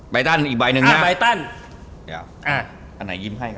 ไบตันอีกใบหนึ่งอ่ะไบตันอ่ะอันไหนยิ้มให้ก่อน